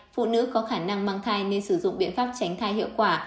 phụ nữ có khả năng mang thai nên sử dụng biện pháp tránh thai hiệu quả